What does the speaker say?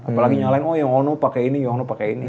apalagi nyalahin oh yang onu pake ini yang onu pake ini